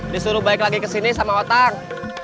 disuruh balik lagi kesini sama otang